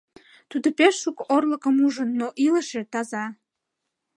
Тудо пеш шуко орлыкым ужын, но илыше, таза.